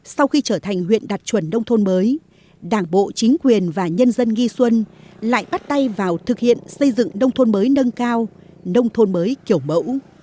sau khi trở thành huyện đạt chuẩn nông thôn mới đảng bộ chính quyền và nhân dân nghi xuân lại bắt tay vào thực hiện xây dựng nông thôn mới nâng cao nông thôn mới kiểu mẫu